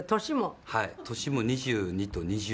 谷村：年も、２２と、２０。